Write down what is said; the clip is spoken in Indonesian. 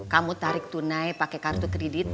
kamu tarik tunai pakai kartu kredit